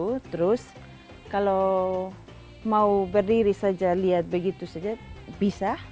lagi lagi kalau mau berdiri saja lihat begitu saja bisa